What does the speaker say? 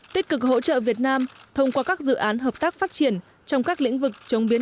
tích cực hỗ trợ việt nam thông qua các dự án hợp tác phát triển trong các lĩnh vực chống biến